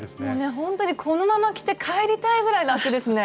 ほんとにこのまま着て帰りたいぐらい楽ですね。